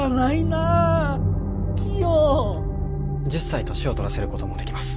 １０才年をとらせることもできます。